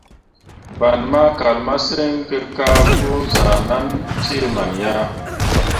Fan ma kal masǝŋ kǝ ka pǝ zah ʼnan cee man ya.